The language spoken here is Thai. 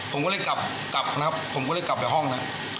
ผมก็เลยกลับกลับนะครับผมก็เลยกลับไปห้องนะ